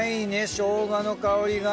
しょうがの香りが。